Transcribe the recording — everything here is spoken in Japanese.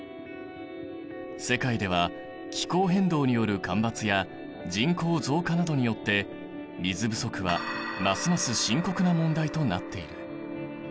世界では気候変動による干ばつや人口増加などによって水不足はますます深刻な問題となっている。